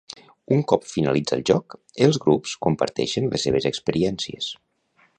Un cop finalitza el joc, els grups comparteixen les seves experiències.